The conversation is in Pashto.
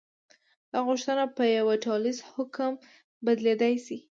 دا غوښتنه په یوه ټولیز حکم بدلېدلی شي.